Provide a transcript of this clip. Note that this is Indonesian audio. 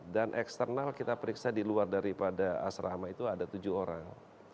dan eksternal kita periksa di luar daripada asrama itu ada tujuh orang